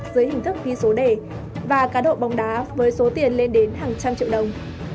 dưới hình thức ghi số đề và cá độ bóng đá với số tiền lên đến hàng trăm triệu đồng